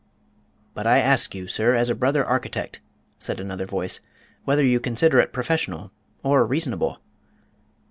"But I ask you, sir, as a brother architect," said another voice, "whether you consider it professional or reasonable